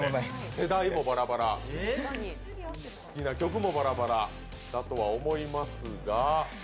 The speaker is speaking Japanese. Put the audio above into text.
世代もバラバラ、好きな曲もバラバラだとは思いますが。